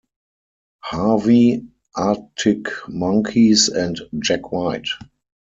Harvey, Arctic Monkeys, and Jack White.